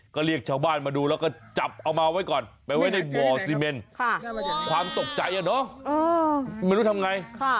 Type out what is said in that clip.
ก็เรียกชาวบ้านมาดูแล้วก็จับเอามาไว้ก่อนไปไว้ในบ่อซีเมนความตกใจอะเนาะไม่รู้ทำไง